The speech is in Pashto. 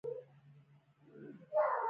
هیواد مې د پلرونو قرباني ده